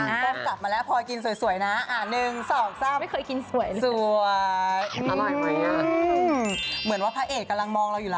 อ่ะกลับมาแล้วพอกินสวยนะ